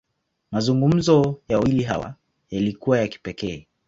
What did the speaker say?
Mazungumzo ya wawili hawa, yalikuwa ya kipekee.